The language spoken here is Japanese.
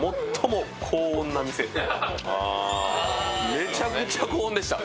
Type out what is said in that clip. めちゃくちゃ高音でした。